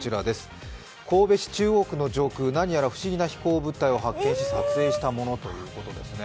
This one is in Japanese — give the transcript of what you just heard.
神戸市中央区の上空、何やら不思議な飛行物体を発見し、撮影したものということですね。